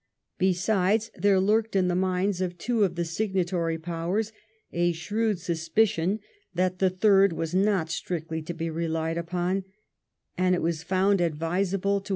Besides, there lurked in the minds of two of the signatory Powers a shrewd suspicion that the third was not strictly to be relied upou, and it was found advisable to 16 * 228 LIFE OF VISaOJmT PALMEBSTON.